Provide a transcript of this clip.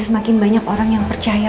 semakin banyak orang yang percaya